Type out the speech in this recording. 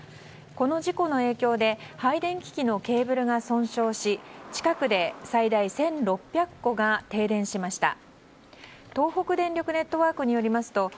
この事故の影響で配電機器のケーブルが損傷し近くで最大１６００戸が停電しました。